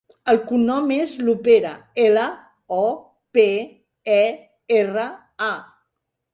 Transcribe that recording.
El cognom és Lopera: ela, o, pe, e, erra, a.